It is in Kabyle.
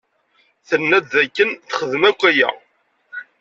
Tenna-d dakken texdem akk aya.